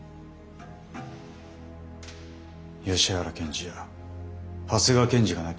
吉原検事や長谷川検事が亡き